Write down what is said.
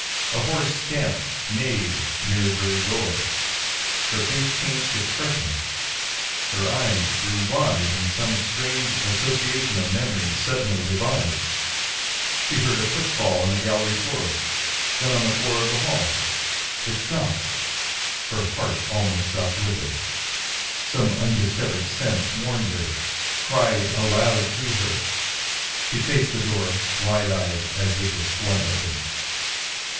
A horse stamped, neighed near her door. Her face changed expression. Her eyes grew wide in some strange association of memories suddenly revived. She heard a footfall on the gallery floor, then on the floor of the hall. It stopped. Her heart almost stopped with it. Some undiscovered sense warned her, cried aloud to her. She faced the door, wide eyed, as it was flung open.